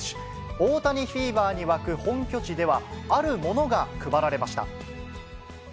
大谷フィーバーに沸く本拠地では、あるものが配られました。